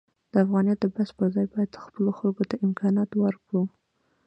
د افغانیت د بحث پرځای باید خپلو خلکو ته امکانات ورکړو.